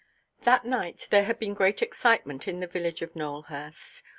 That night there had been great excitement in the village of Nowelhurst.